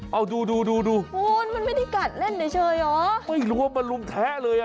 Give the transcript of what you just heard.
เอาดูดูดูดูดูโอ้ยมันไม่ได้กัดเล่นเฉยเหรอไม่รู้ว่ามารุมแท้เลยอ่ะ